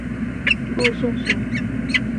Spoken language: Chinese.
陆颂雄。